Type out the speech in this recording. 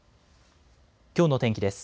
きょうの天気です。